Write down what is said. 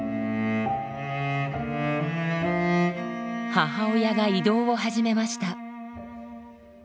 母親が移動を始めました。